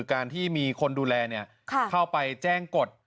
การที่มีคนดูแลเข้าไปแจ้งกฎ